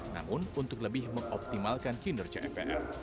namun untuk lebih mengoptimalkan kinerja mpr